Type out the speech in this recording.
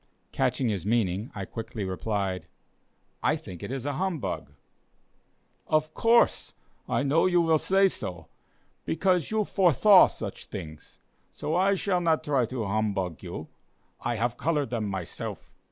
Catching his meaning, I quickly replied: "I think it is a humbug." "Of course, I know you will say so; because you 'forstha' such things; so I shall not try to humbug you; I have color them myself."